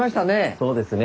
そうですね。